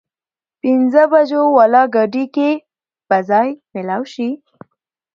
پينځه بجو واله ګاډي کې به ځای مېلاو شي؟